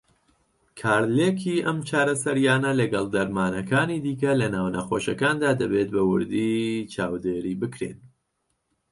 کارلێکی ئەم چارەسەریانە لەگەڵ دەرمانەکانی دیکه لەناو نەخۆشەکاندا دەبێت بە وردی چاودێری بکرێن.